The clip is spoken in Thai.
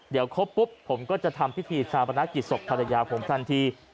เดี๋ยวครบปุ๊บผมก็จะทำพิธีชาปนกิจศพภรรยาผมทันที